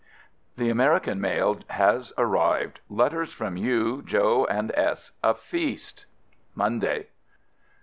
The American mail has arrived! Let ters from you, Joe, and S ■. A feast! Monday.